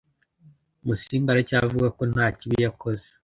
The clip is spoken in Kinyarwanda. musinga aracyavuga ko nta kibi yakoze